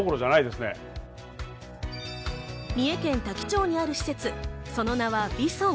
三重県多気町にある施設、その名はＶＩＳＯＮ。